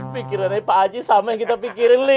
pikirannya pak haji sama yang kita pikirin lih